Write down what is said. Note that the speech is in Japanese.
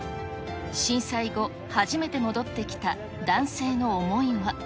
震災後、初めて戻ってきた男性の思いは。